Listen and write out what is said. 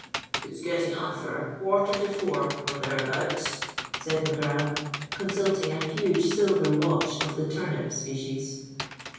"It's getting on for a quarter to four, or thereabouts," said Mac Grab, consulting a huge silver watch of the turnip species.